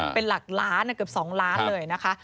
เป็นหลักล้านเกือบ๒ล้านเลยนะคะ